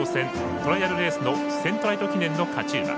トライアルレースセントライト記念の勝ち馬。